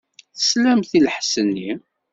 Teslamt i lḥess-nni?